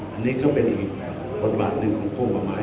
อันนี้ก็เป็นอีกบทบาทหนึ่งของผู้ประมาท